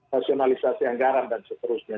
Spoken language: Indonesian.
rasionalisasi anggaran dan seterusnya